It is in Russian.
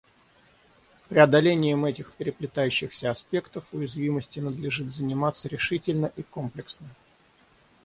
Преодолением этих переплетающихся аспектов уязвимости надлежит заниматься решительно и комплексно.